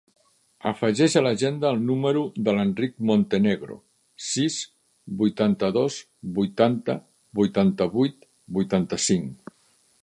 Afegeix a l'agenda el número de l'Enric Montenegro: sis, vuitanta-dos, vuitanta, vuitanta-vuit, vuitanta-cinc.